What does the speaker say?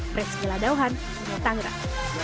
preskila dauhan tangerang